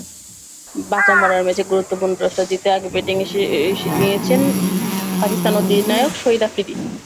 বাঁচা-মরার ম্যাচে গুরুত্বপূর্ণ টসটা জিতে আগে ব্যাটিং নিয়েছেন পাকিস্তান অধিনায়ক শহীদ আফ্রিদি।